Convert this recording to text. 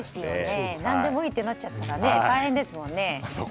何でもいいってなっちゃったら大変ですもんね。